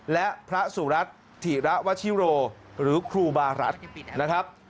และพระสุรัตน์ถิระวชิโรหรือครูบารัฐนะครับ